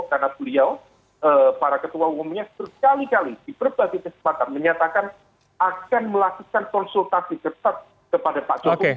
karena beliau para ketua umumnya berkali kali diperbaiki kesempatan menyatakan akan melakukan konsultasi ketat kepada pak jokowi